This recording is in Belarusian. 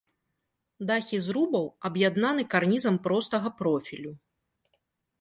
Дахі зрубаў аб'яднаны карнізам простага профілю.